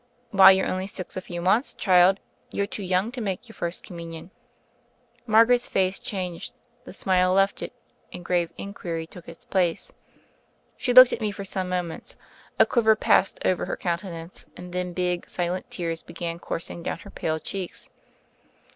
"Why, you're only six a few months, child; youVe too young to make your First Com munion." Margaret's face changed, the smile left it, and grave inquiry took its place. She looked at me for some moments, a quiver passed over her countenance, and then big silent tears began coursing down her pale cheeks.